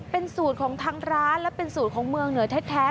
เป็นสูตรของทางร้านและเป็นสูตรของเมืองเหนือแท้